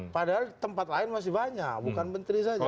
padahal tempat lain masih banyak bukan menteri saja